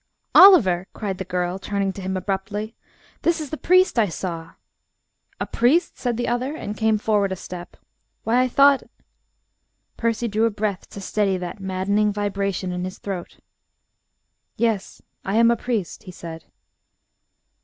"Oliver," cried the girl, turning to him abruptly, "this is the priest I saw " "A priest!" said the other, and came forward a step. "Why, I thought " Percy drew a breath to steady that maddening vibration in his throat. "Yes, I am a priest," he said.